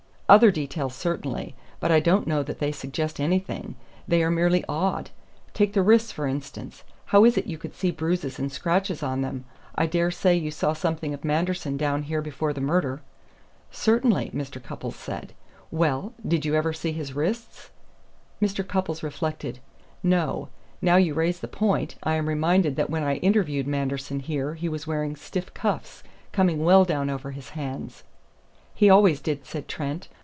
"Other details, certainly; but I don't know that they suggest anything. They are merely odd. Take the wrists, for instance. How is it you could see bruises and scratches on them? I dare say you saw something of Manderson down here before the murder?" "Certainly," Mr. Cupples said. "Well, did you ever see his wrists?" Mr. Cupples reflected. "No. Now you raise the point, I am reminded that when I interviewed Manderson here he was wearing stiff cuffs, coming well down over his hands." "He always did," said Trent.